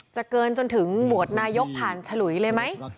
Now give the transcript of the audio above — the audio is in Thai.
เกินจนถึงโหวตนายกผ่านฉลุยเลยไหม